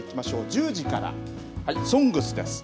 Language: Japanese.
１０時から、ＳＯＮＧＳです。